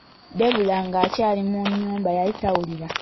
Debula ng'akyali mu nnyumba yali tawulira.